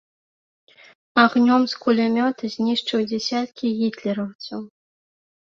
Агнём з кулямёта знішчыў дзесяткі гітлераўцаў.